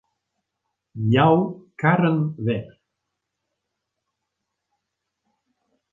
Jou karren wer.